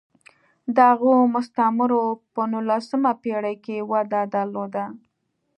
د هغو مستعمرو په نولسمه پېړۍ کې وده درلوده.